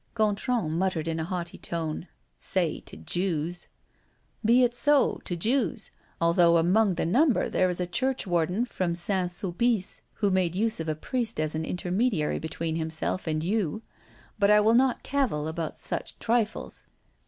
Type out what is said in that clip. Gontran muttered in a haughty tone: "Say, to Jews." "Be it so, to Jews, although among the number there is a churchwarden from Saint Sulpice who made use of a priest as an intermediary between himself and you but I will not cavil about such trifles.